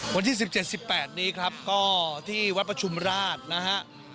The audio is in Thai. วันที่๑๗๑๘นี้ครับก็ที่วัดประชุมราชนะฮะ